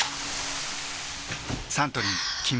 サントリー「金麦」